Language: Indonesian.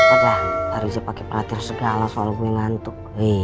udah baru aja pake perhatian segala soal gue ngantuk